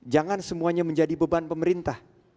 jangan semuanya menjadi beban pemerintah